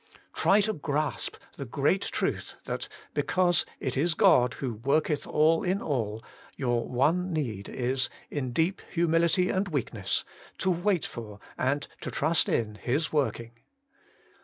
Try to grasp the great truth that because ' it is God who worketh all in all,' your one need is. in deep humility and weakness, to wait for and to trust in His working.